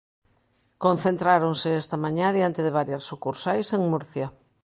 Concentráronse esta mañá diante de varias sucursais en Murcia.